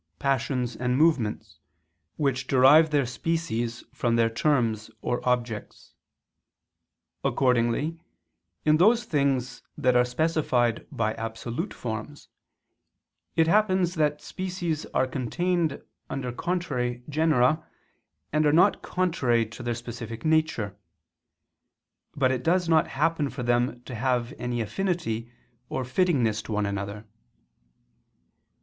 passions and movements, which derive their species from their terms or objects. Accordingly in those things that are specified by absolute forms, it happens that species contained under contrary genera are not contrary as to their specific nature: but it does not happen for them to have any affinity or fittingness to one another.